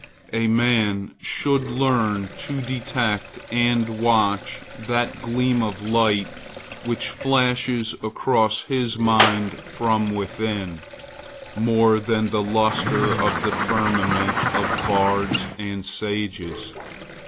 A man should learn to detect and watch that gleam of light which flashes across his mind from within, more than the lustre of the firmament of bards and sages.